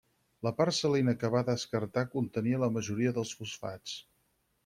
La part salina que va descartar contenia la majoria dels fosfats.